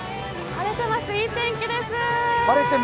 晴れてます、いい天気です。